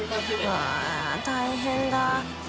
わぁ大変だ。